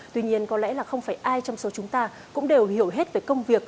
tuy nhiên có lẽ là không phải ai trong số chúng ta cũng đều hiểu hết về công việc